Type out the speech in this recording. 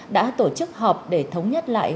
đã tổ chức họp để thống nhất lại